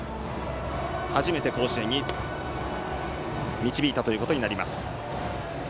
初めて甲子園に導いたということになります。